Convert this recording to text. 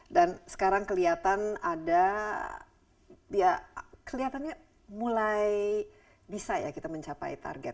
dan sekarang kelihatan ada kelihatannya mulai bisa ya kita mencapai target